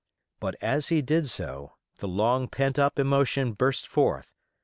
But as he did so, the long pent up emotion burst forth.